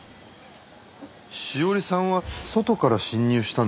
志桜里さんは外から侵入したんですよね？